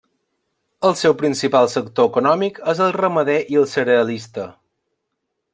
El seu principal sector econòmic és el ramader i el cerealista.